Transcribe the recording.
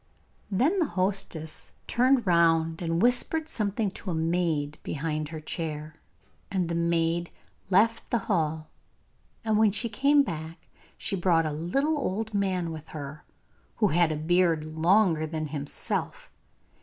Then the hostess turned round and whispered something to a maid behind her chair, and the maid left the hall, and when she came back she brought a little old man with her, who had a beard longer than himself.